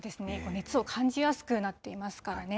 熱を感じやすくなっていますからね。